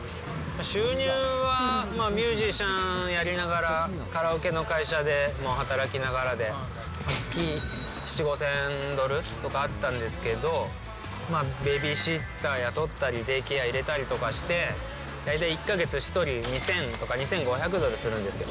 収入はミュージシャンやりながらカラオケの会社でも働きながらで、月４、５０００ドルとかあったんですけど、ベビーシッター雇ったり、デイケア入れたりして、大体１か月、１人２０００とか、２５００ドルするんですよ。